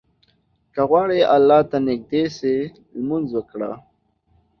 که غواړې الله ته نيږدى سې، لمونځ وکړه.